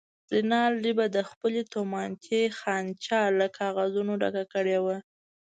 رینالډي به د خپلې تومانچې خانچه له کاغذونو ډکه کړې وه.